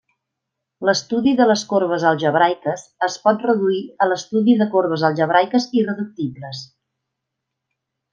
L'estudi de les corbes algebraiques es pot reduir a l'estudi de corbes algebraiques irreductibles.